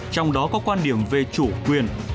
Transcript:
trong đó có quan điểm về chủ quyền